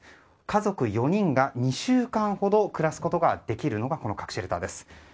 家族４人が２週間ほど暮らすことができるのがこの核シェルターです。